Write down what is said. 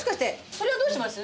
それはどうします？